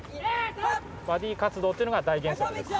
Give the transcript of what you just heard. バディ活動っていうのが大原則です。